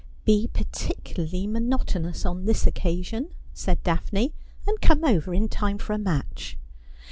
' Be particularly monotonous on this occasion,' said Daphne, ' and come over in time for a match.'